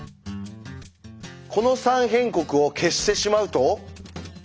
この「三辺国」を消してしまうと？